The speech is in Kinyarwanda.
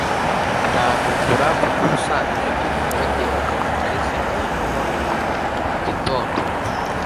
birantungura kuko ubusanzwe nabyukaga bagiye kukazi kare simbashe kubabonaho mu gitondo